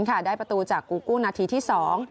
๒ประตูต่อ๐ค่ะได้ประตูจากกู้กู้ณาทีที่๒